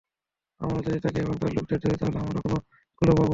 আমরা যদি তাকে এবং তার লোকদের ধরি তাহলে আমরা কোনো ক্লু পাব।